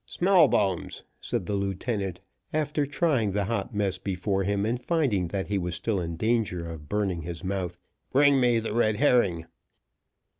"Smallbones," said the lieutenant, after trying the hot mess before him, and finding that he was still in danger of burning his mouth, "bring me the red herring."